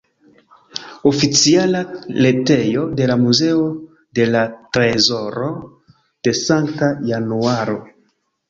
Oficiala retejo de la Muzeo de la trezoro de Sankta Januaro.